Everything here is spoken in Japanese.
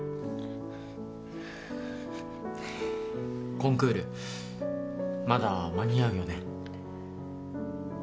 コンクールまだ間に合うよね。